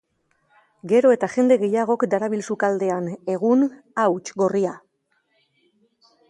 Gero eta jende gehiagok darabil sukaldean egun hauts gorria.